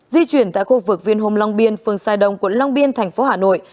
di chuyển tại khu vực viên hồm long biên phường sai đông quận long biên thành phố hà nội